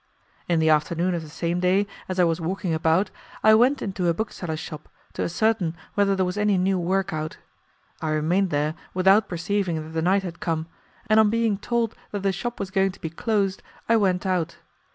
In the afternoon of the same day, as I was walking about, I went into a bookseller's shop to ascertain whether there was any new work out. I remained there without perceiving that the night had come, and on being told that the shop was going to be closed, I went out.